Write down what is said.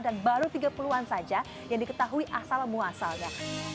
dan baru tiga puluh an saja yang diketahui asal muasalnya